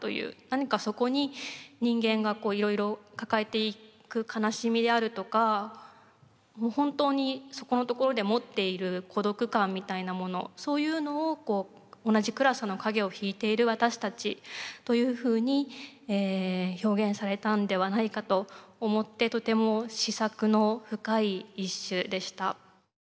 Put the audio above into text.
何かそこに人間がいろいろ抱えていく悲しみであるとかもう本当に底のところで持っている孤独感みたいなものそういうのを同じ暗さの影をひいている私たちというふうに表現されたんではないかと思ってとても思索の深い一首でした。